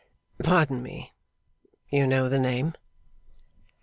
'Pardon me. You know the name?